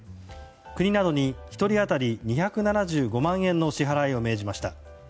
国などに１人当たり２７５万円の支払いを命じました。